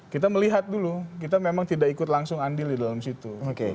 kita melihat dulu kita memang tidak ikut langsung andil di dalam situ